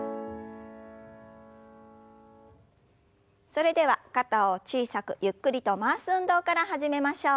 それでは肩を小さくゆっくりと回す運動から始めましょう。